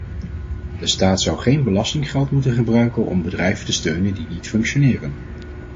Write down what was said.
De staat zou geen belastinggeld moeten gebruiken om bedrijven te steunen die niet functioneren.